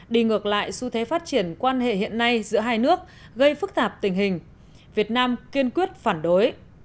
đi ngược lại xu thế phát triển quan hệ hiện nay giữa hai nước gây phức tạp tình hình việt nam kiên quyết phản đối